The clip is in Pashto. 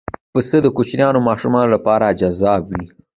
پسه د کوچنیو ماشومانو لپاره جذاب وي.